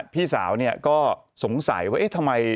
พี่สาวก็สงสัยว่าเอ๊ะทำไม